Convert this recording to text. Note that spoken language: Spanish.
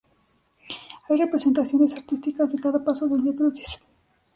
Hay representaciones artísticas de cada paso del viacrucis.